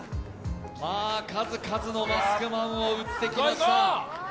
数々のマスクマンを打ってきました。